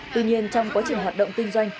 tuy nhiên trong quá trình hoạt động kinh doanh